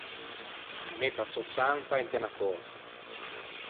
Mette a sò sampa inte unna cösa.